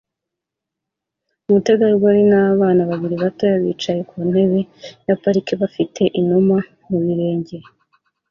Umutegarugori nabana babiri bato bicaye ku ntebe ya parike bafite inuma ku birenge